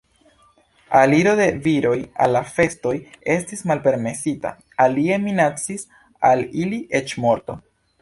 Aliro de viroj al la festoj estis malpermesita, alie minacis al ili eĉ morto.